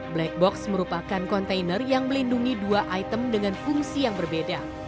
black box merupakan kontainer yang melindungi dua item dengan fungsi yang berbeda